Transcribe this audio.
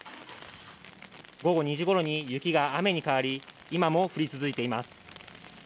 午後２時ごろに雪が雨に変わり今も降り続いています。